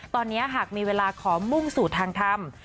ตอนนี้หากมีเวลาขอมุ่งสู่ทางธรรม